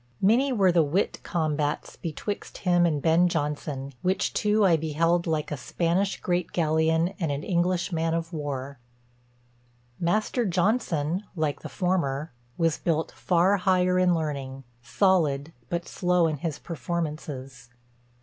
"Many were the wit combats betwixt him and Ben Jonson, which two I beheld like a Spanish great galleon and an English man of war. Master Jonson (like the former) was built far higher in learning; solid, but slow in his performances.